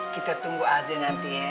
kita tunggu aja nanti ya